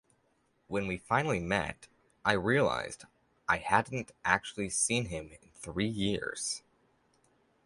When we finally met, I realized I hadn't actually seen him in three years.